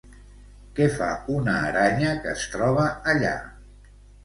Què fa una aranya que es troba allà?